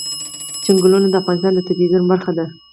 چنګلونه د افغانستان د طبیعي زیرمو برخه ده.